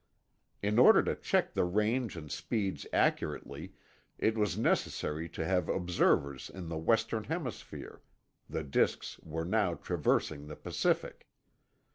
In order to check the range and speeds accurately, it was necessary to have observers in the Western Hemisphere—the disks were now traversing the Pacific.